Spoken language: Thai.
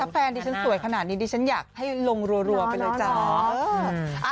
แต่ถ้าเพลงที่ฉันสวยขนาดนี้ที่ฉันอยากให้ลงรวไปเลยจ้ะ